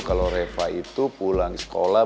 kalau reva itu pulang sekolah